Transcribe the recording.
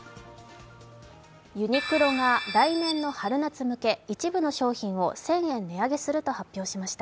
ユニクロが来年の春夏向け、一部の商品を１０００円値上げすると発表しました。